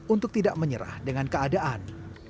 untuk tidak menyerah dengan keadaan